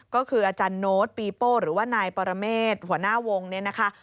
ก็คืออาจารย์โน้ตปีโป้หรือว่านายปรเมฆหัวหน้าวงเนี่ยนะคะ